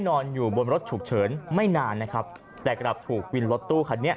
นอนอยู่บนรถฉุกเฉินไม่นานนะครับแต่กลับถูกวินรถตู้คันนี้